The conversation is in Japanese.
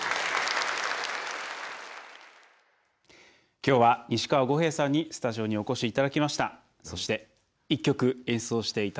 きょうは西川悟平さんにスタジオにお越しいただきました。